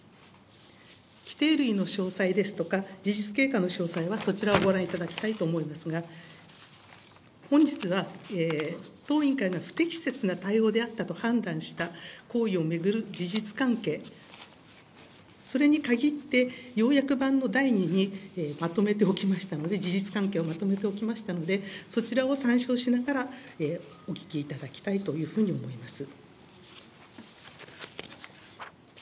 きてい類の詳細ですとか、事実経過の詳細はそちらをご覧いただきたいと思いますが、本日は当委員会が不適切な対応であったと判断した行為を巡る事実関係、それに限って、要約版の第２にまとめておきましたので、事実関係をまとめておきましたので、そちらを参照しながら、お聞きいただきたいというふうに思います。